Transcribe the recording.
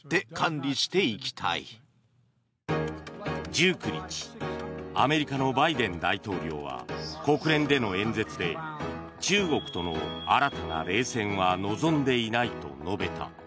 １９日アメリカのバイデン大統領は国連での演説で中国との新たな冷戦は望んでいないと述べた。